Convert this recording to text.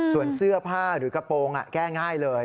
ส่วนเสื้อผ้าหรือกระโปรงแก้ง่ายเลย